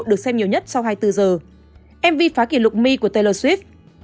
được xem nhiều nhất sau hai mươi bốn h mv phá kỷ lục me của taylor swift